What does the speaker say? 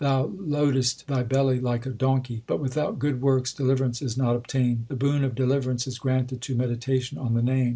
HYMNS OF GURU ARJAN 149 Thou loadest thy belly like a donkey ; But without good works, deliverance is not obtained The boon of deliverance is granted to meditation on the Name.